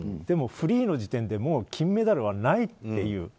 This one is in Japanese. でも、フリーの時点でもう金メダルはないという。